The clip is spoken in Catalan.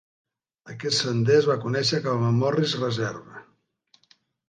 Aquest sender es va conèixer com Morris Reserve.